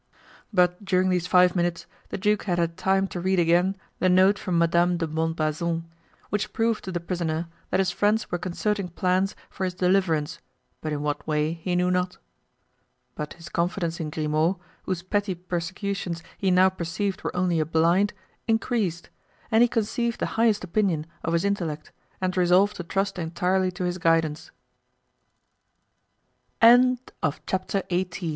But during these five minutes the duke had had time to read again the note from Madame de Montbazon, which proved to the prisoner that his friends were concerting plans for his deliverance, but in what way he knew not. But his confidence in Grimaud, whose petty persecutions he now perceived were only a blind, increased, and he conceived the highest opinion of his intellect and resolved to trust entirely to his gui